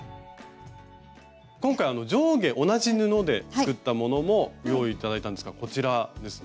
今回上下同じ布で作ったものも用意頂いたんですがこちらですね。